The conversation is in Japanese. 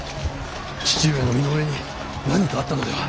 父上の身の上に何かあったのでは。